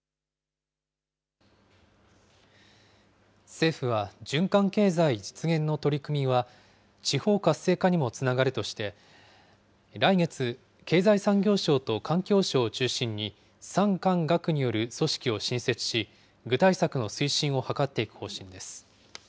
政府は、循環経済実現の取り組みは、地方活性化にもつながるとして、来月、経済産業省と環境省を中心に産官学による組織を新設し、具体策の推進を図っていく方針です。